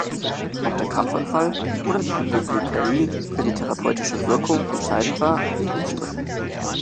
Ob der Krampfanfall oder die Hypoglykämie für die therapeutische Wirkung entscheidend war, blieb umstritten.